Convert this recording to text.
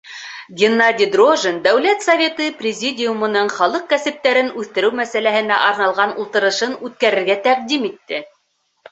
Геннадий Дрожжин Дәүләт Советы Президиумының халыҡ кәсептәрен үҫтереү мәсьәләһенә арналған ултырышын үткәрергә тәҡдим итте.